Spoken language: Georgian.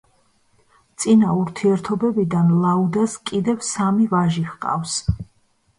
წინა ურთიერთობებიდან ლაუდას კიდევ სამი ვაჟი ჰყავს.